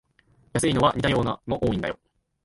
安いのは似たようなの多いんだよ